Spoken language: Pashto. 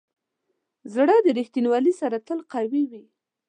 زړه د ریښتینولي سره تل قوي وي.